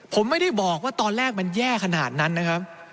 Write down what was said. ผมไม่ได้บอกว่าตอนแรกมันแย่ขนาดนั้นนะครับ